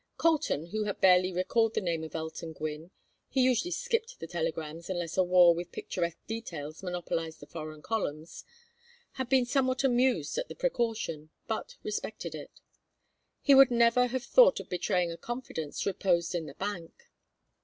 Colton, who had barely recalled the name of Elton Gwynne he usually skipped the telegrams unless a war with picturesque details monopolized the foreign columns had been somewhat amused at the precaution, but respected it; he would never have thought of betraying a confidence reposed in the bank.